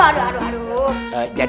ya sudah mau tawar